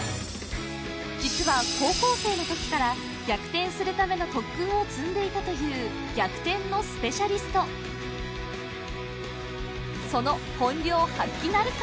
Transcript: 実は高校生のときから逆転するための特訓を積んでいたという逆転のスペシャリストその本領発揮なるか？